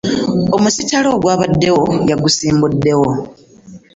Omusittale ogwabaddewo yagusiimuddewo.